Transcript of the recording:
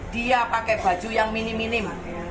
dia pakai baju yang minim minim